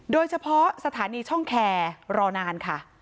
โดยเฉพาะสถานีช่องแคร์รอนานค่ะ